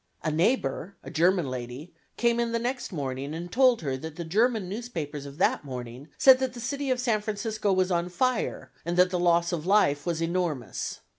A neighbor, a German lady, came in the next morning and told her that the German newspapers of that morning said that the city of San Francisco was on fire, and that the loss of life was enormous.